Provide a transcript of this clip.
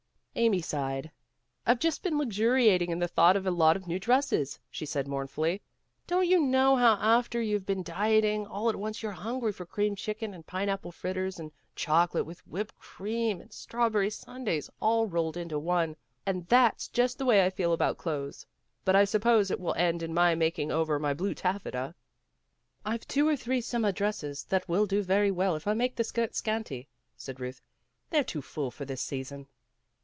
Amy sighed. "I'd just been luxuriating in the thought of a lot of new dresses," she said mournfully. "Don't you know how after you've been dieting, all at once you're hungry for creamed chicken and pineapple fritters, and chocolate with whipped cream, and strawberry sundaes, all rolled into one. And that's just the way I feel about clothes. But I suppose it will end in my making over my blue taffeta." "Pve two or three summer dresses that will do very well if I make the skirts scanty," said Euth. "They're too full for this sea son."